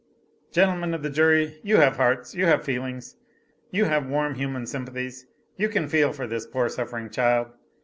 Gentlemen of the jury; you have hearts, you have feelings, you have warm human sympathies; you can feel for this poor suffering child.